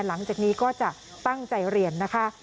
หลังจากนี้ก็จะตั้งใจเรียนนะคะ